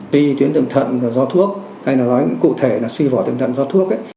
xuy tuyến thượng thận do thuốc hay nói cụ thể là xuy vỏ tuyến thận do thuốc